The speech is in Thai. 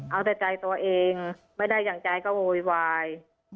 เอาแต่ใจตัวเองไม่ได้อย่างใจก็โวยวาย